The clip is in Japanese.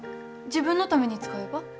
自分のために使えば？